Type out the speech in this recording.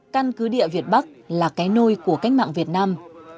căn cứ địa việt bắc là cái nôi của cách mạng việt nam